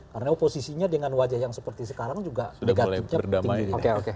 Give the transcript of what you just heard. karena oposisinya dengan wajah yang seperti sekarang juga negatifnya tinggi